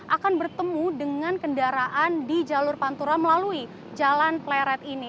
akan bertemu dengan kendaraan di jalur pantura melalui jalan pleret ini